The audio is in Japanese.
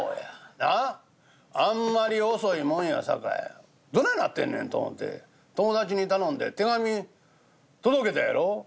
なああんまり遅いもんやさかいどないなってんねんと思て友達に頼んで手紙届けたやろ？